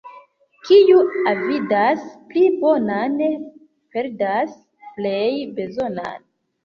Kiu avidas pli bonan, perdas plej bezonan.